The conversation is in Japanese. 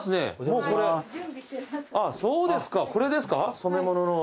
そうですかこれですか染め物の。